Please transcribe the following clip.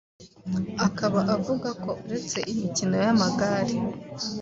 akaba avuga ko uretse umukino w’amagare